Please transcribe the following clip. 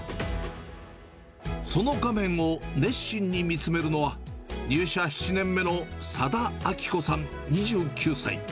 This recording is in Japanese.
その画面を熱心に見つめるのは、入社７年目の佐田亜希子さん２９歳。